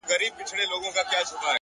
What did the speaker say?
زغم د بریا اوږد ملګری دی,